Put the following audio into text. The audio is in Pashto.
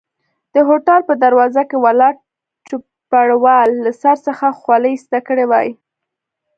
د هوټل په دروازه کې ولاړ چوپړوال له سر څخه خولۍ ایسته کړي وای.